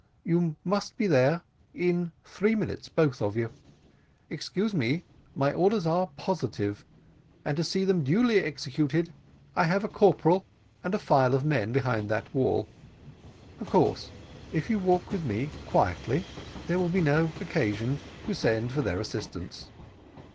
"You must be there in three minutes, both of you. Excuse me, my orders are positive and to see them duly executed I have a corporal and a file of men behind that wall of course, if you walk with me quietly there will be no occasion to send for their assistance."